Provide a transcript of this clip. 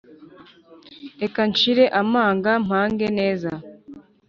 reka nshire amanga mpange neza,